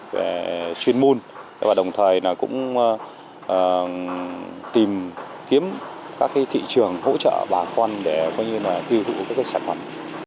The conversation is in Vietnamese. về chuyên môn và đồng thời cũng tìm kiếm các thị trường hỗ trợ bà con để tiêu thụ các sản phẩm